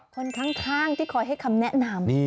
คนข้างที่คอยให้คำแนะนำ